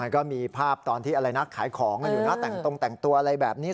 มันก็มีภาพตอนที่นักขายของอยู่แต่งตัวอะไรแบบนี้